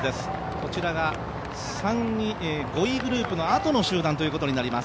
こちらが５位グループのあとの集団ということになります。